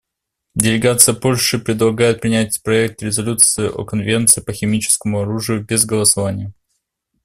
Делегация Польши предлагает принять проект резолюции о Конвенции по химическому оружию без голосования.